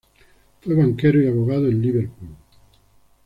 Fue banquero y abogado en Liverpool.